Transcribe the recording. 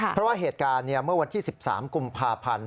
เพราะว่าเหตุการณ์เมื่อวันที่๑๓กุมภาพันธ์